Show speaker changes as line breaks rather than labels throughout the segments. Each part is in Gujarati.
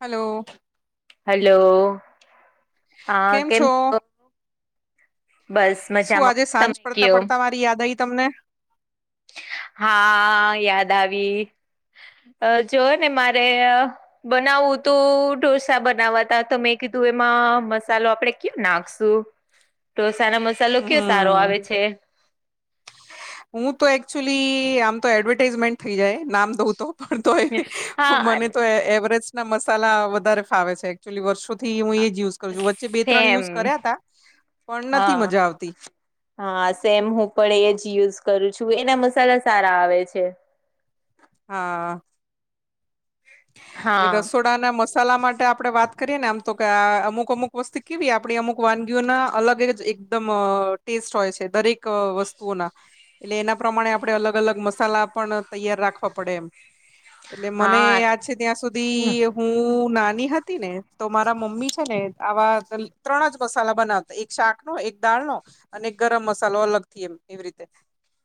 હલો.
હલો હા, કેમ [inaudible] બસ
શું
મજામાં
આજે
હો.
સાંજ
તમે
પડતા
કયો
પડતા મારી યાદ આયી તમને.
હા, યાદ આવી. જોઓ ને મારે બનાવુંતું ઢોસા બનાવાતા તો તમે કીધું એમાં મસાલો આપડે [unintelligible] નાખશું ઢોસાનો મસાલો કયો સારો
હમ
આવે છે.
હું તો એકક્ચુલી આમ તો એડવર્ટાઝમેન્ટ થઈ જાય નામ દઉં તો પણ તોય
હા
મને તો એ-એવરેસ્ટ ના મસાલા વધારે ફાવે છે એકચુલી વર્ષો થી હું એજ યૂઝ કરું વચ્ચે બે ત્રણ
સેમ
યુઝ કર્યા તા પણ નથી
હા
મજા આવતી.
હા, સેમ હું પણ એ જ યુઝ કરું છું. એના મસાલા સારા આવે છે.
હા. એટલે
હા
રસોડાના મસાલા માટે આપડે વાત કરીએ ને આમ તો કે અમુક અમુક વસ્તુ કેવી આપડી અમુક વાનગીઓના અલગ જ એકદમ અ ટેસ્ટ હોય છે દરેક વસ્તુઓના. એટલે એના પ્રમાણે આપડે અલગ અલગ મસાલા પણ તૈયાર રાખવા પડે એમ. એટલે મને
હા
યાદ છે ત્યાં સુધી હું નાની હતી ને તો મારા મમ્મી છે ને આવા ત્રણ જ મસાલા બના એક શાકનો, એક દાળ નો અને એક ગરમ મસાલો અલગથી એમ એવી રીતે.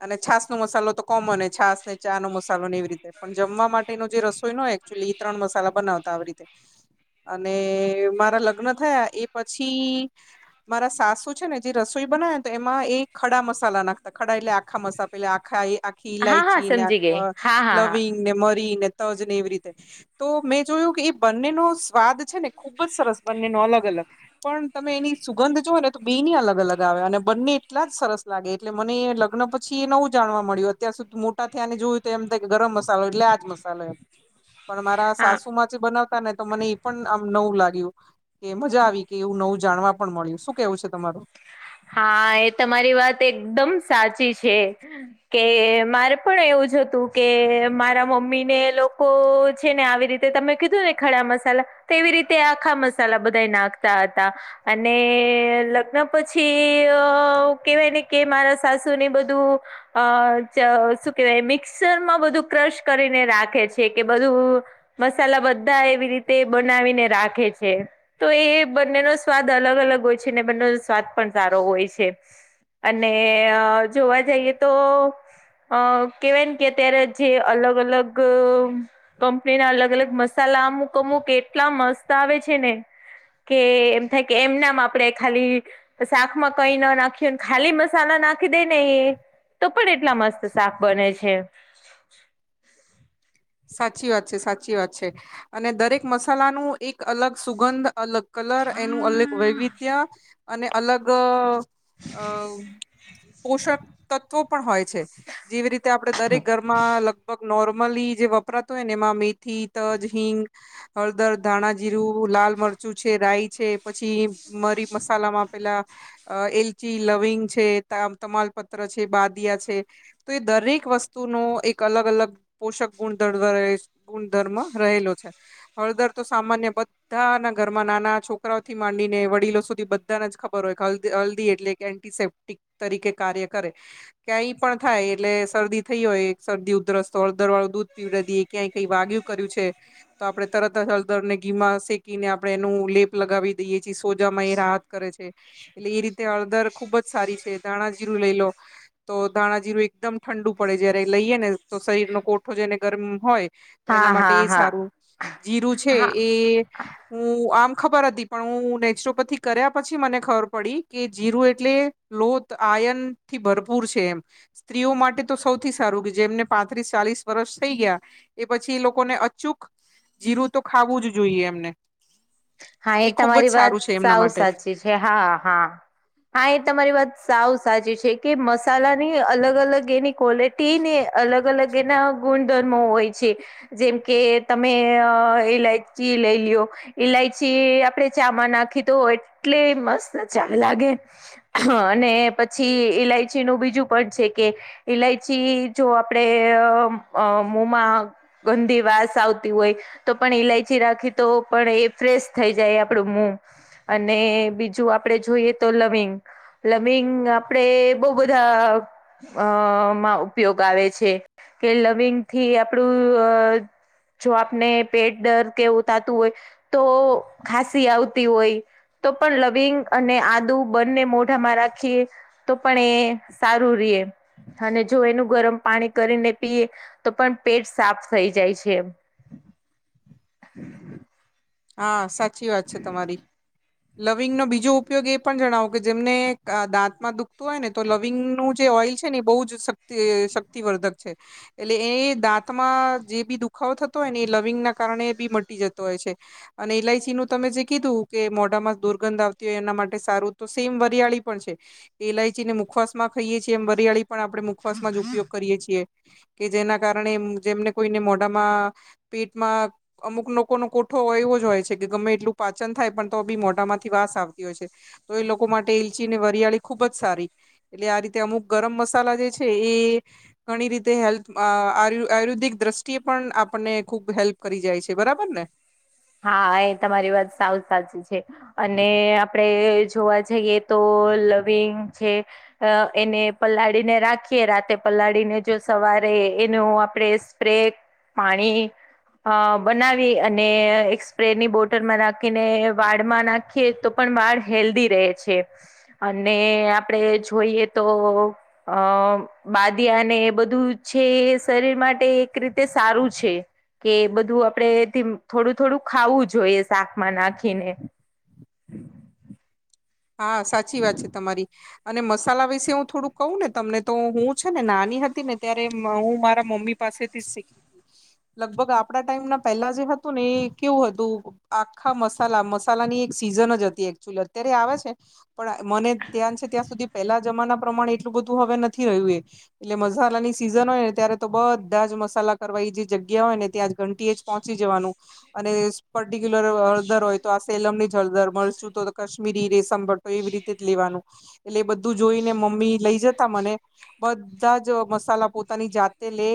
અને છાસનો મસાલો તો કોમન હે છાસને ચાનો મસાલો ને એવી રીતે. પણ જમવા માટેનો જે રસોઈ ન હોય એકચુલી એ ત્રણ મસાલા બનાવતા આવી રીતે. અને મારા લગ્ન થયા એ પછી મારા સાસુ છે ને જે રસોઈ બનાવે તો એમાં એ ખડા મસાલા નાખતા ખડા એટલે આખા મસા પેલે આખા એ આખી
હા હા
ઇલાયચી ને
સમજી ગઈ હા
[inaudible]
હા હા
લવિંગ ને મરી ને તજ ને એવી રીતે તો મેં જોયું કે એ બંનેનો સ્વાદ છે ને ખુબ જ સરસ બંનેનો અલગ-અલગ પણ તમે એની સુગંધ જોઓ ને તો બેયની અલગ-અલગ આવે અને બંને એટલા જ સરસ લાગે એટલે મને એ લગ્ન પછી એ નવું જાણવા મળ્યું અત્યાર સુધી મોટા થયાને જોયું તો એમ થાય કે ગરમ મસાલો એટલે આજ મસાલો એમ. પણ મારા
હા
સાસુમાં જે બનાવતા ને તો મને ઈ પણ આમ નવું લાગ્યું. કે મજા આવી કે એવું નવું જાણવા પણ મળ્યું. શું કેવું છે તમારું?
હા, એ તમારી વાત એકદમ સાચી છે. કે મારે પણ એવું જ હતું કે મારા મમ્મીને એ લોકો છે ને આવી રી તે તમે કીધુંને ખડા મસાલા તેવી રીતે આખા મસાલા બધાય નાખતા હતા. અને લગ્ન પ છી અ કેવાય ને કે મારા સાસુને બધું અ ચ શું કેવાય મિક્સરમાં બધું ક્રશ કરીને રાખે છે કે બધું મસાલા બધા એવી રીતે બનાવીને રાખે છે. તો એ બંનેનો સ્વાદ અલગ અલગ હોય છે ને બંનેનો સ્વાદ પણ સારો હોય છે. અને અ જોવા જઈએ તો અ કેવાયને કે અત્યારે જે અલગ-અલગ કંપનીના અલગ-અલગ મસાલા અમુક-અમુક એટલા મસ્ત આવે છે ને કે એમ થાય કે એમ નામ આપડે ખાલી શાકમાં કઈ ન નાખીએ ખાલી મસાલા નાખીદેને એ તો પણ એટલા મસ્ત શાક બને છે.
સાચી વાત છે, સાચી વાત છે અને દરેક મસાલાનું એક અલગ સુગંધ, અલગ કલર એનું અલગ વૈવિધ્ય અને અલગ અ પોષકતત્વો પણ હોય છે. જેવી રીતે આપડે દરેક ઘરમાં લગભગ નોર્મલી જે વપરાતું હોય ને એમાં મે થી તજ હીંગ હળદર ધાણાજીરું, લાલ મરચું છે, રાઈ છે, પછી મરી મસાલામાં પેલા અ એલચી લવિંગ છે, તા તમાલપત્ર છે, બાદિયા છે, તો એ દરેક વસ્તુનો એક અલગ અલગ પોષક ગુણ [unintelligible] ગુણધર્મ રહેલો છે, હળદર તો સામાન્ય બ ધાના ઘરમાં નાના છોકરાઓથી માંડીને વડીલો સુધી બધાને જ ખબર હોય કે હ હલ્દી એટલે એન્ટીસેપ્ટિક તરીકે કાર્ય કરે ક્યાંય પણ થાય એટલે શરદી થઈ હોય એક શરદી ઉધરસ હળદરવાળું દૂધ પીવડદીએ ક્યાંય કઈ વાગ્યું કર્યું છે. તો આપણે તરત જ આપણે હળદર ને ઘીમાં શેકીને આપણે એનું લેપ લગાવી દઈએ છી સોજામાં એ રાહત કરે છે, એટલે એ રી તે હળદર ખુબ જ સારી છે, ધાણાજીરું લઈ લો તો ધાણાજીરું એકદમ ઠંડુ પડે જયારે લઈએ ને તો શરીરનો કોઠો જેને ગરમ હોય તો
હા
એના માટે
હા
એ
હા
સારું જીરું છે,
હા
એ હું આમ ખબર હતી પણ હું નેચરોપેથી કર્યા પછી મને ખબર પડી કે જીરું એટલે લોત આયનથી ભરપૂર છે, એમ સ્ત્રીઓ માટે તો સૌથી સારું કે જેમને પાંત્રીસ ચાલીસ વર્ષ થઈ ગયા એ પછી એ લોકોને અચૂક જીરું તો ખાવું જ જોઈએ એમને
હા એ
ખુબ જ
તમારી વાત
સારું છે એમના
સાવ
માટે
સાચી છે, હા હા હા એ તમારી વાત સાવ સાચી છે, કે મસાલાની અલગ અલગ એની ક્વોલે ટીને અલગ અલગ એના ગુણધર્મો હોય છે. જેમ કે તમે અ ઇલાયચી લઈ લ્યો ઇલાય ચી આપડે ચામાં નાખી તો એટલે મસ્ત ચા લાગે. હ અને પછી ઇલાયચીનું બીજું પણ છે, કે ઇલાયચી જો આપડે અ મોમાં ગંદી વાસ આવતી હોય તો પણ ઈલાયચી રાખી તો પણ એ ફ્રેશ થઈ જાય આપડું મો અને બીજું આપડે જોઈએ તો લવિંગ લવિંગ આપડે બો બધા અ માં ઉપયોગ આવે છે, કે લવિંગથી આપણું જો આપને પેટ દર્દ કેવું થાતું હોય તો ખાંસી આવતી હોય. તો પણ લવિંગ અને આદુ બંને મોઢામાં રાખી તો પણ એ સારું રે અને જો એનું ગરમ પાણી કરીને પીએ તો પણ પેટ સાફ થઈ જાય છે. હમ.
હા સાચી વાત છે, તમારી લવિંગનો બીજો ઉપયોગ એ પણ જણાવો કે જેમને દાંતમાં દુખતું હોય ને તો લવિંગનું જે ઓઇલ છે, ને એ બો જ શકતે શક્તિવર્ધક છે. એટલે એ દાંતમાં જે બી દુખાવો થતો હોય ને એ લવિંગ ના કારણે બી મટી જતો હોય છે. અને એલાયચીનું તમે જે કીધું કે મોઢામાં દુર્ગંધ આવતી હોય એના માટે સારું તો સેમ વરિયાળી પણ છે, ઇલાયચીને મુખવાસ માં ખાઈએ છીએ એમ વરિયાળી પણ આપણે મુખવાસમાં જ ઉપયોગ કરીએ છીએ. કે જેના કારણે જેમને કોઈને મોઢામાં, પેટમા અમૂક લોકોનો કોટ. થો હોય એવો જ હોય છે કે ગમે એટલું પાચન થાય પણ તો બી મોઢામાંથી વાસ આવતી હોય છે. તો એ લોકો માટે ઈલચી ને વરિયાળી ખુબ જ સારી. એટલે આ રીતે અમુક ગરમ મસાલા જે છે એ ઘણી રીતે હેલ્પ અ આયુર્વેદિક દ્રષ્ટિએ પણ આપણને ખુબ હેલ્પ કરી જાય છે, બરાબર ને?
હા એ તમારી વાત સાવ સાચી છે. અને આપડે જોવા જઈએ તો લવિંગ છે. અ એને પલાળીને રાખીએ રાતે પલાળીને જો સવારે એનું આપણેે સ્પ્રે પાણી અ બનાવી અને એક સ્પ્રેની બોટલમાં નાખીને વાળમાં નાખીએ તો પણ વાળ હેલ્ધી રહે છે. અને આપણે જોઈએ તો અ બાદીયા ને એ બધું છે. એ શરીર માટે એક રીતે સારું છે. કે બધું આપણેથી થોડું થોડું ખાવું જોઈએ, શાકમાં નાખીને.
હા, સાચી વાત છે તમારી. અને મસાલા વિશે હું થોડુંક કહુંને તમને તો હું છેનને નાની હતીને ત્યારે હું મારા મમ્મી પાસેથી શીખી. લગભગ આપણા ટાઈમના પહેલા જે હતુંને, એ કેવું હતું આખા મસાલા, મસાલાની એક સિઝન જ હતી એકચુલી, અત્યારે આવે છે? પણ મને ધ્યાન છે, ત્યાં સુધી પહેલા જમાના પ્રમાણે એટલું બધું હવે નથી રહ્યું એ. એટલે મસાલાની સિઝન હોયને, ત્યારે તો બધા જ મસાલા કરવા. એ જે જગ્યા હોયને ત્યાં જ ઘંટીએ જ પહોંચી જવાનું. અને પર્ટિક્યુલર હળદર હોય, તો આ સેલમની જ હળદર મળશું, તો કાશ્મીરી રે સંભળ એવી રીતે જ લેવાનું, એટલે એ બધું જોઈને, મમ્મી લઈ જતા મને બધા જ મસાલા પોતાની જાતે લે.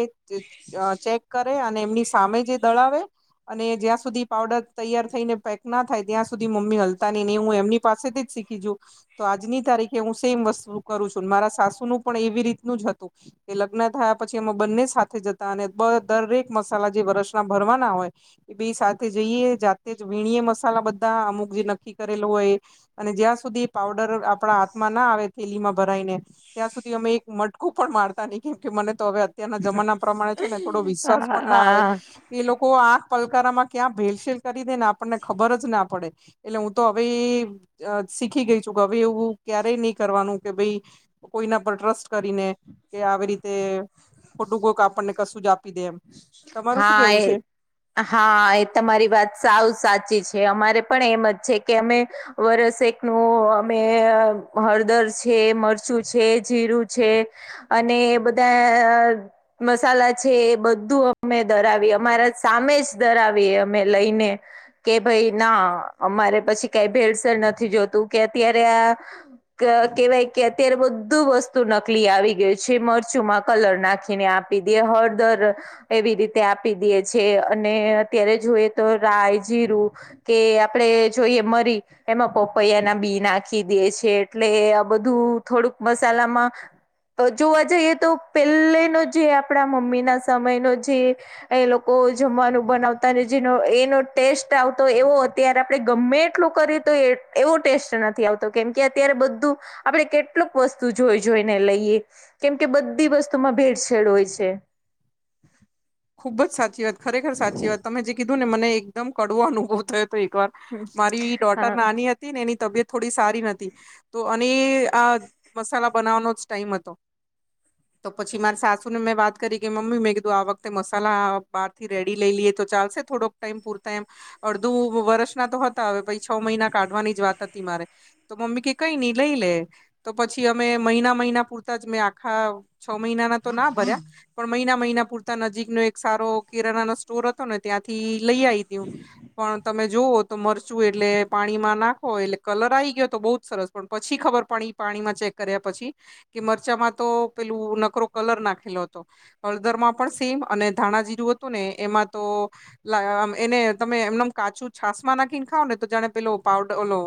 અ ચેક કરે અને એમની સામે જે દળાવે અને જ્યાં સુધી પાવડર તૈયાર થઈને પેકના થાય, ત્યાં સુધી મમ્મી હલતા નહીં, ને હું એમની પાસેથી શીખી જો. તો આજની તારીખે હું સેમ વસ્તુ કરું છું. મારા સાસુનું પણ એવી રીતનું જ હતું. એ લગ્ન થયા પછી એમાં બંને સાથે જતા અને દરેક મસાલા જે વષૅના ભરવાના હોય એ બે સાથે જઈએ, જાતે જ વીણીએ મસાલા બધા અમુક જે નક્કી કરેલો હોય અને જ્યાં સુધી પાવડર આપણા હાથમાં ના આવે થેલીમાં ભરાઈને ત્યાં સુધી અમે એક મટકો પણ મારતા નહી. કેમ કે મને તો હવે ત્યાંના જમાના પ્રમાણે છે ને, થોડો વિશ્વાસ પણ ના આવે.
હા
એ લોકો આંખ પલકારામાં ક્યાં ભેલસેેલ કરી દે ને, આપણને ખબર જ ના પડે. એટલે હું તો હવે શીખી ગઈ છું. હવે, એવું ક્યારેય નહી કરવાનું કે ભાઈ કોઈના પર ટ્રસ્ટ કરીને, કે આવી રીતે ખોટું કોક આપણને કશું જ આપ
હા, એ. હા, એ તમારી વાત સાવ સાચી છે. અમારે પણ એમ જ છે કે અમે વરસેકનું અમે હળદર છે, મરચું છે, જીરું છે અને બધા મસાલા છે. એ બધ બધું અમે દળાવીએ. અમારા સામે જ દળાવીએ અમે લઈને કે ભાઈ ના અમારે પછી કઈ ભેડસર નથી જોતું કે અત્યારે આ કેહેવાય કે અત્યારે બધું વસ્તુ નકલી આવી ગયું છે. મરચુંમાં કલર નાખીને આપ પીડિયો હળદર એવી રીતે આપી દેએ છે અને અત્યારે જોઈએ, તો રાય, જીરું કે આપણે જોઈએ મરી એમાં પપૈયાના બી નાખી દે છે, એટલે આ બધું થોડુંક મસાલામાં તો જોવા જઈએ, તો પહેલેનો જે આપણા મમ્મીના સમયનો જે એ લોકો જમવાનું બનાવતા, જેનો એનો ટેસ્ટ આવતો એવો, અત્યારે આપણે ગમે એટલું કરીએ તો તો એવો ટેસ્ટ નથી આવતો, કેમ કે અત્યારે બધું આપણે કેટલુક વસ્તુ જોઈ જોઈને લઈએ, કેમ કે બધી વસ્તુમાં ભેળસેળ હોય છે.
ખુબ જ સાચી વાત, ખરેખર સાચી વાત તમે જે કીધું ને, મને એકદમ કડવો અનુભવ થયો હતો. એક વાર મારી ડોટર
હા
નાની હતીને, એની તબિયત થોડી સારી નતી, તો અને આ મસાલા બનાવવાનો જ ટાઈમ હતો. તો પછી મારી સાસુને મેં વાત કરી કે મમ્મી મેં કીધું આવક તે મસાલા બહારથી રેડી લઈ લઈએ, તો ચાલશે. થોડોક ટાઈમ પૂરતા એમ. અડધું વર્ષના તો હતા. હવે, પછી છ મહિના કાઢવાની જ વાત હતી મારે. તો મમ્મી કે કંઈ નઈ લઈ લે તો પછી અમે મહિના મહિના પૂરતા જ મેં આખા છ મહિનાના તો ના ભર્યા પણ મહિના મહિના પૂરતા નજીકનો એક સારો કિરાનાનો સ્ટોર હતો ને ત્યાંથી લઈ આવી તું પણ તમે જોવો તો મરચું એટલે પાણીમાં નાખો એટલે કલર આવી ગયો તો બહુ જ સરસ પણ પછી ખબર પડી પાણીમાં ચેક કર્યા પછી કે મરચામાં તો પેલું નકરો કલર નાખેલો હતો. હળદરમાં પણ સેમ અને ધાણાજીરું હતું ને એમાં તો એને તમે એમનમ કાચું છાસમાં નાખીને ખાવને તો જાણે પેલો પાવડર ઓલો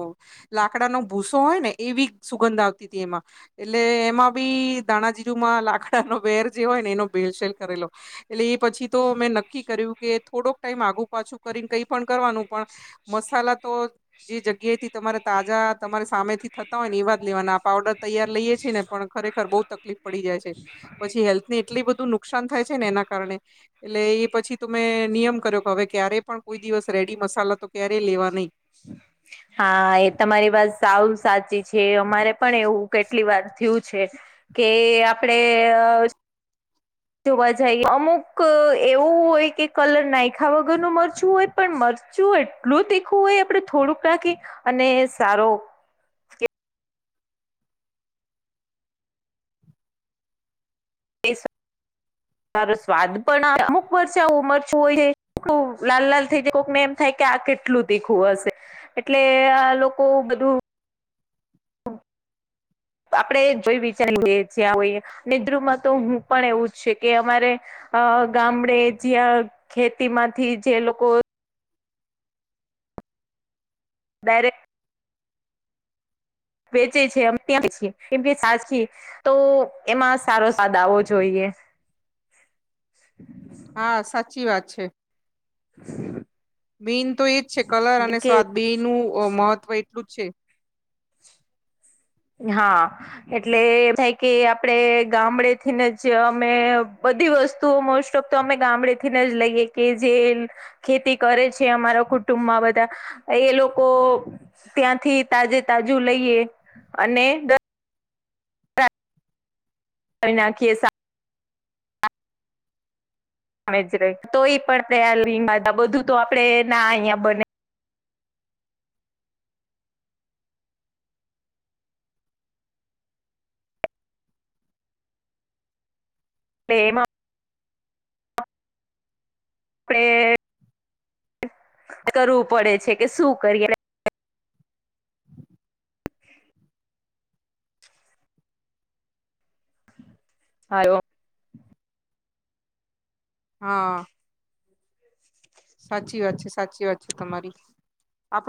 લાકડાનો ભૂસો હોય ને એવી સુગંધ આવતી હતી એમાં એટલે એમાં બી દાણાજીરુમાં લાકડાનો વેર જે હોય ને એનો ભેળસેળ કરેલો એટલે એ પછી તો મેં નક્કી કર્યું કે થોડોક ટાઈમ આધુ પાછું કરીને કઈ પણ કરવાનું પણ મસાલા તો જે જગ્યાએ થી તમારે તાજા તમારા સામેથી થતા હોય ને એવા જ લેવાના આ પાવડર તૈયાર લઈએ છીએ ને પણ ખરેખર બહુ તકલીફ પડી જાય છે પછી હેલ્થ ને એટલી બધું નુકસાન થાય છે ને એના કારણે એટલે એ પછી તો મે નિયમ કર્યો કે હવે ક્યારેય પણ કોઈ દિવસ રેડી મસાલા તો ક્યારેય લેવા નહીં.
હા એ તમારી વાત સાવ સાચી છે અમારે પણ એવું કેટલી વાર થયું છે કે આપડે જોવા જઈએ અમુક એવું હોય કે કલર નાયખા વગરનું મરચું હોય પણ મરચું એટલું તીખું હોય આપડે થોડુંક નાખી અને સારો એસા [unintelligible] સારો સ્વાદ પણ આવે અમુક વરષે આવ મરચું હોય છે તે બોવ લાલ લાલ થઈ જાય કોક નેમ [unintelligible] થાય કે આ કેટલું તીખું હશે એટલે આ લોકો બધું આપડે જોઈ વિચારીઈ ને જ્યાં હોઈ નેદ્રુમાં તો હું પણ એવું જ છે કે અમારે [unintelligible] અ ગામડે જ્યાં ખેતીમાંથી જે લોકો ડાયરેક્ટ વેચે છે અમ ત્યાંથી લેએ કેમ કે સાચી [unintelligible] તો એમાં સારો સ્વાદ આવો જોઈએ. [inaudible]
હા સાચી વાત છે.
[unintelligible]
મેઈન તો એજ છે કલર અને
કે
સ્વાદ બેયનું મહત્વ એટલું જ છે
હા એટલે એમ થાય કે આપડે ગામડેથીને જ અમે બધી વસ્તુઓ મોસ્ટ ઓફ તો અમે ગામડે થીને જ લઈએ. કે જે ખેતી કરે છે. અમારા કુટુંબમાં બધા એ લોકો ત્યાંથી તાજે તાજું લઈએ અને, કોના કે [unintelligible] જ ર તોય પણ ત બધું તો આપડે ના અહં બને [unintelligible] પલે [unintelligible] આપણે [inaudible] કરવું પડે છે કે શું કરીએ હા, [unintelligible]
હા, સાચી વાત છે, સાચી વાત છે, તમારી આપણે